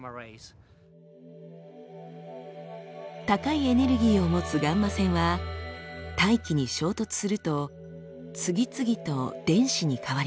高いエネルギーを持つガンマ線は大気に衝突すると次々と電子に変わります。